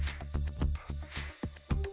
sendiri saksikan kembali